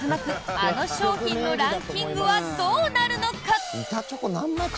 あの商品のランキングはどうなるのか？